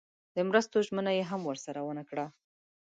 د مرستو ژمنه یې هم ورسره ونه کړه.